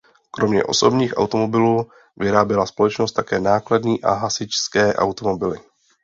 Kromě osobních automobilů vyráběla společnost také nákladní a hasičské automobily.